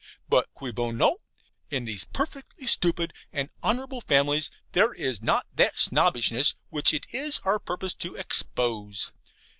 But CUI BONO? In these perfectly stupid and honourable families there is not that Snobbishness which it is our purpose to expose.